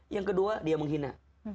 yang kedua dia menghina